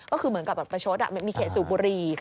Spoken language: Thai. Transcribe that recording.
ก็คือเหมือนกับประชดมีเขตสูบบุรี